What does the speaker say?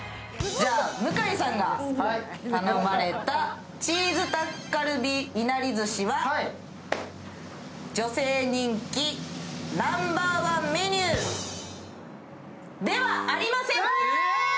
向井さんが頼まれたチーズタッカルビいなりずしは、女性人気ナンバー１メニューではありません。